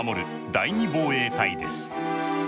第２防衛隊です。